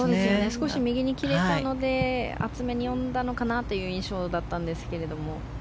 少し右に切れたので厚めに読んだのかなという印象だったんですけども。